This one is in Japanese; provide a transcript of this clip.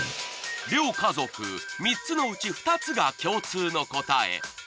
両家族３つのうち２つが共通の答え。